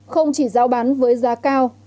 không chỉ giao bán với giá cao